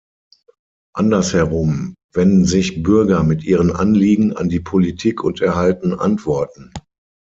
Andersherum wenden sich Bürger mit ihren Anliegen an die Politik und erhalten Antworten.